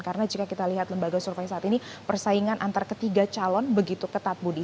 karena jika kita lihat lembaga survei saat ini persaingan antara ketiga calon begitu ketat budi